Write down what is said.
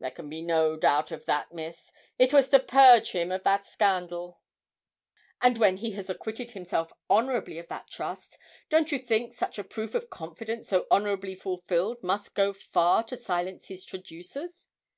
'There can be no doubt of that, Miss; it was to purge him of that scandal.' 'And when he has acquitted himself honourably of that trust, don't you think such a proof of confidence so honourably fulfilled must go far to silence his traducers?'